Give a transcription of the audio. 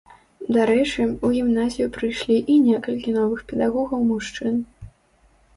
Дарэчы, у гімназію прыйшлі і некалькі новых педагогаў-мужчын.